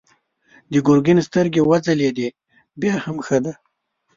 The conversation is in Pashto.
د ګرګين سترګې وځلېدې: بيا هم ښه ده.